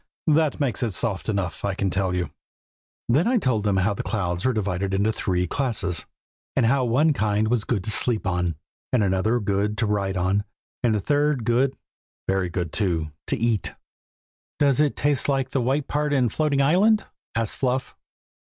"That makes it soft enough, I can tell you." Then I told them how the clouds were divided into three classes, and how one kind was good to sleep on, and another good to ride on, and the third good (very good, too,) to eat. "Does it taste like the white part in floating island?" asked Fluff.